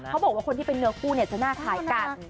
เขาบอกว่าคนที่เป็นเนื้อคู่จะน่าถ่ายกัน